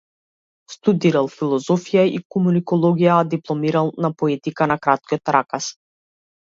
Студирал философија и комуникологија, а дипломирал на поетика на краткиот раказ.